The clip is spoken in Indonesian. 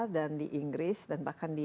dan di inggris dan bahkan di